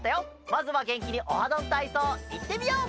まずはげんきに「オハどんたいそう」いってみよう！